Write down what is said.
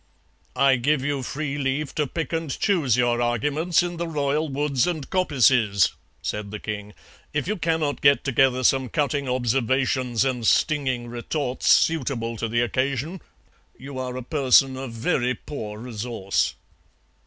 "'I give you free leave to pick and choose your arguments in the royal woods and coppices,' said the king; 'if you cannot get together some cutting observations and stinging retorts suitable to the occasion you are a person of very poor resource.'